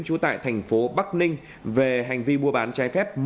trú tại thành phố bắc ninh về hành vi mua bán trái phép